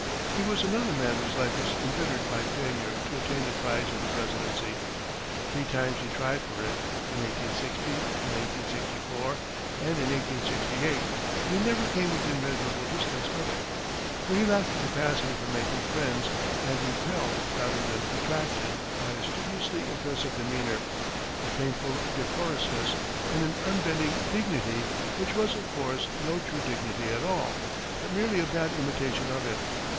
He was another man whose life was embittered by failure to attain the prize of the presidency. Three times he tried for it, in 1860, in 1864, and in 1868, but he never came within measurable distance of it. For he lacked the capacity for making friends, and repelled rather than attracted by a studiously impressive demeanor, a painful decorousness, and an unbending dignity, which was, of course, no true dignity at all, but merely a bad imitation of it.